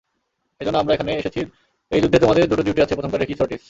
এইজন্য আমরা এখানে এসেছি এই যুদ্ধে আমাদের দুটো ডিউটি আছে প্রথমটাঃ রেকি সর্টিস।